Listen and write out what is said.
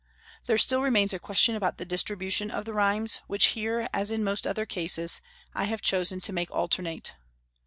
There still remains a question about the distribution of the rhymes, which here, as in most other cases, I have chosen to make alternate.